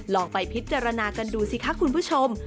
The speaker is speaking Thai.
ลองไปพิจารณากันดูสิคะคุณผู้ชม